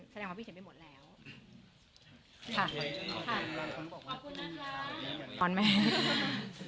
แสดงว่าคิเทศไปหมดแล้วขอบคุณนะคะ